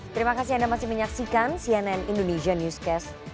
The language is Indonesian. terima kasih anda masih menyaksikan cnn indonesia newscast